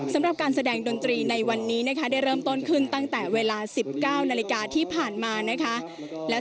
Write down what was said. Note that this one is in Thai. สำหรับการแสดงดนตรีในวันนี้นะคะได้เริ่มต้นขึ้นตั้งแต่เวลา๑๙นาฬิกาที่ผ่านมานะคะ